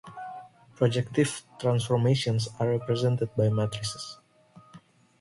Projective transformations are represented by matrices.